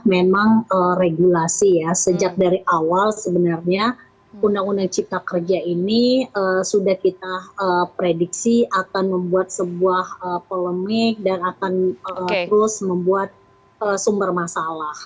memang regulasi ya sejak dari awal sebenarnya undang undang cipta kerja ini sudah kita prediksi akan membuat sebuah polemik dan akan terus membuat sumber masalah